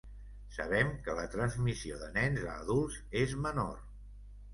Sabem que la transmissió de nens a adults és menor.